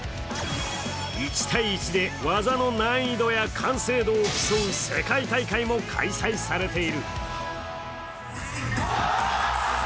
１対１で技の難易度や完成度を競う世界大会も開催されている。